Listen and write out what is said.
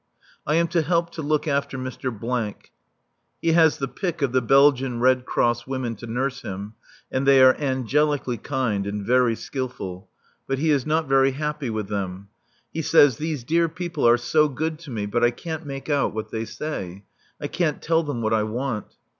I am to help to look after Mr. . He has the pick of the Belgian Red Cross women to nurse him, and they are angelically kind and very skilful, but he is not very happy with them. He says: "These dear people are so good to me, but I can't make out what they say. I can't tell them what I want."